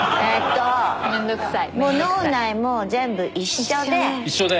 もう脳内も全部一緒で。